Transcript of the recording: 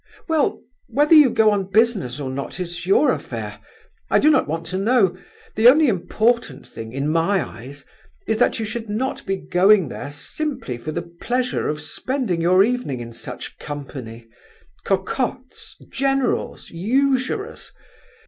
"Well, whether you go on business or not is your affair, I do not want to know. The only important thing, in my eyes, is that you should not be going there simply for the pleasure of spending your evening in such company—cocottes, generals, usurers!